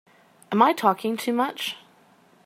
Am I talking too much?